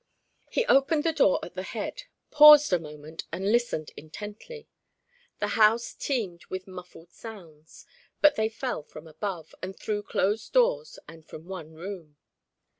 He opened the door at the head, paused a a moment and listened intently. The house teemed with muffled sounds; but they fell from above, and through closed doors, and from one room.